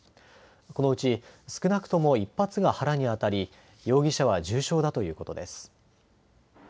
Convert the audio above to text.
このうち少なくとも１発が腹に当たり容疑者は重傷だということです。